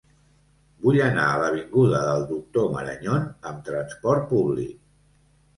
Vull anar a l'avinguda del Doctor Marañón amb trasport públic.